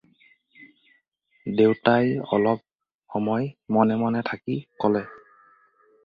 দেউতাই অলপ সময় মনে মনে থাকি ক'লে।